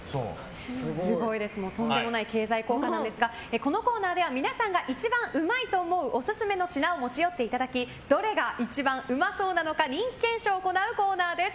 とんでもない経済効果なんですがこのコーナーでは皆さんが一番うまいと思うオススメの品を持ち寄っていただきどれが一番うまそうなのか人気検証を行うコーナーです。